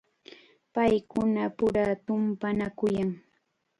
Paykunapura tumpanakuyan.